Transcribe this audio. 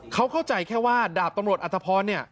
เขาเข้าใจแค่ว่าดาบตำรวจอัตภพรเนี่ย